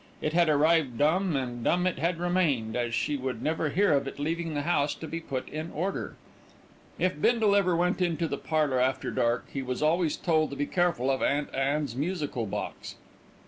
It had arrived dumb, and dumb it had remained, as she would never hear of it leaving the house to be put in order. If Bindle ever went into the parlour after dark, he was always told to be careful of Aunt Anne's musical box.